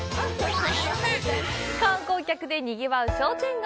観光客でにぎわう商店街。